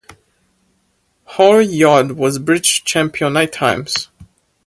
Holroyd was British Champion nine times.